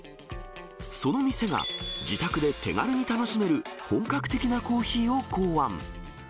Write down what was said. その店が、自宅で手軽に楽しめる本格的なコーヒーを考案。